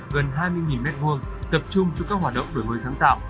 gần hai mươi m hai tập trung cho các hoạt động đổi mới sáng tạo